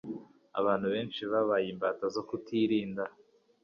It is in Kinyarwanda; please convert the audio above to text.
Abantu benshi babaye imbata zo kutirinda